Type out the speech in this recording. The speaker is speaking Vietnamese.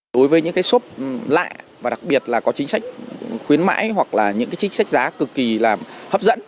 đối với những cái shop lại và đặc biệt là có chính sách khuyến mãi hoặc là những cái chính sách giá cực kỳ là hấp dẫn